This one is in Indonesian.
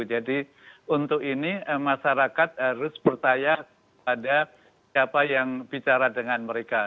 jadi untuk ini masyarakat harus percaya pada siapa yang bicara dengan mereka